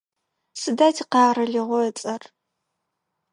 Сыда тикъэралыгъо ыцӏэр?